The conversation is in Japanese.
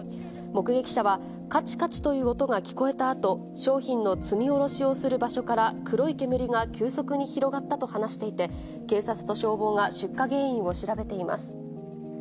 目撃者は、かちかちという音が聞こえたあと、商品の積み下ろしをする場所から、黒い煙が急速に広がったと話していて、警察と消防が出火原因を調べています。